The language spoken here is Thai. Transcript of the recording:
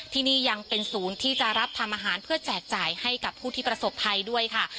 ที่นี่ยังเป็นศูนย์ที่จะรับทำอาหารเพื่อแจกจ่ายให้กับผู้ที่ประสบภัยด้วยค่ะ